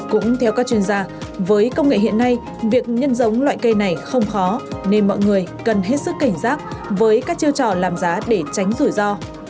cũng theo các chuyên gia với công nghệ hiện nay việc nhân giống loại cây này không khó nên mọi người cần hết sức cảnh giác với các chiêu trò làm giá để tránh rủi ro